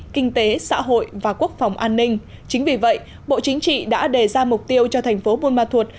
kinh tế xã hội và quốc phòng an ninh chính vì vậy bộ chính trị đã đề ra mục tiêu cho thành phố buôn ma thuột